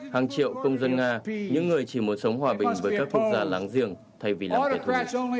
hàng triệu công dân nga những người chỉ muốn sống hòa bình với các quốc gia láng giềng thay vì làm kẻ thù